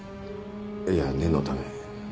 いや念のため。